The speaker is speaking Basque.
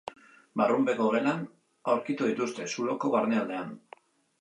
Barrunbeko gelan aurkitu dituzte, zuloko barnealdean.